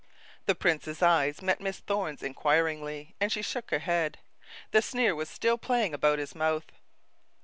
The prince's eyes met Miss Thorne's inquiringly, and she shook her head. The sneer was still playing about his mouth.